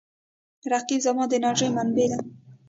رقیب زما د انرژۍ منبع دی